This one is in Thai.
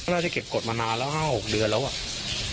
น่าจะเก็บกฎมานานแล้ว๕๖เดือนแล้วอ่ะ